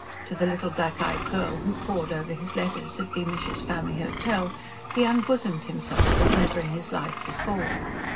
To the little black eyed girl who pored over his letters at "Beamish's Family Hotel," he unbosomed himself as never in his life before.